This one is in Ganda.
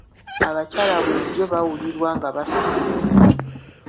Abakyala bulijjo bawulirwa nga basosolwa.